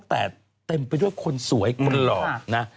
แต่เต็มไปด้วยคนสวยคนหล่อนะ